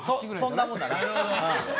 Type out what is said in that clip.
そんなもんだな。